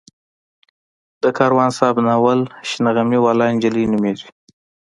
د کاروان صاحب ناول شنه غمي واله جلکۍ نومېږي.